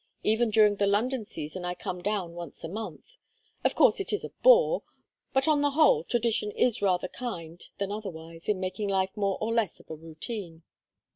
Even during the London season I come down once a month. Of course it is a bore, but on the whole tradition is rather kind than otherwise in making life more or less of a routine."